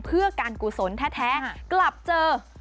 เพื่อการกุศลแท้กลับเจอ